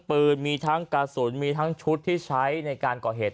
ปืนมีทั้งกระสุนมีทั้งชุดที่ใช้ในการก่อเหตุ